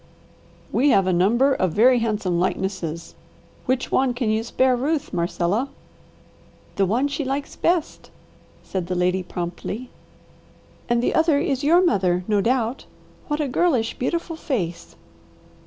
"We have a number of very handsome likenesses. Which one can you spare Ruth, Marcella?" "The one she likes best," said the lady promptly. "And the other is your mother, no doubt. What a girlish, beautiful face!"